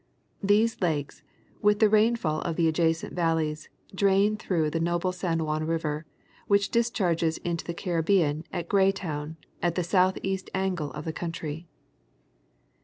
These lakes, with the rainfall of the adja cent valleys, drain through the noble San Juan river, which dis charges into the Caribbean at Greytown, at the southeast angle of the country.